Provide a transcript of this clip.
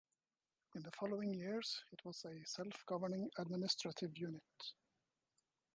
In the following years it was a self-governing administrative unit.